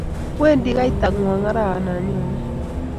wendi kaitang'wany arawe ne nyone